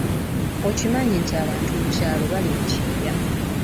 Okimanyi nti mu kyaloabantu bali mu kyeeya.